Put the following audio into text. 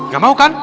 gak mau kan